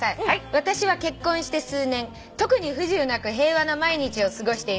「私は結婚して数年特に不自由なく平和な毎日を過ごしています」